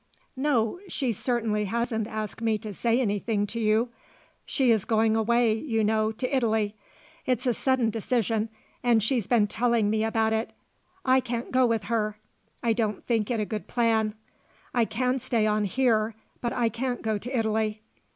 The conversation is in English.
"No, she certainly hasn't asked me to say anything to you. She is going away, you know, to Italy; it's a sudden decision and she's been telling me about it. I can't go with her. I don't think it a good plan. I can stay on here, but I can't go to Italy.